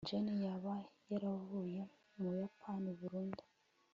jane yaba yaravuye mu buyapani burundu